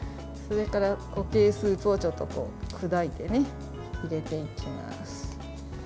それから固形スープをちょっと砕いて入れていきます。